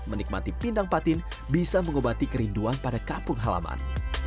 menikmati pindang patin bisa mengobati kerinduan pada kampung halaman